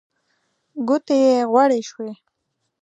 ګوتې يې غوړې شوې.